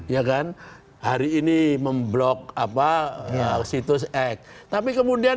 yang ketiga adalah mengawasi kekuasaan